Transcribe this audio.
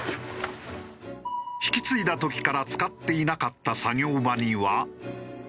引き継いだ時から使っていなかった作業場には。